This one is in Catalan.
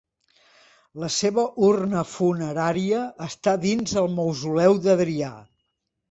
La seva urna funerària està dins el mausoleu d'Adrià.